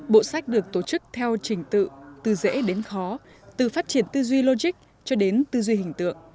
bộ sách được tổ chức theo trình tự từ dễ đến khó từ phát triển tư duy logic cho đến tư duy hình tượng